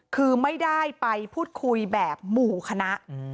คือไม่ได้ไปพูดคุยแบบหมู่คณะ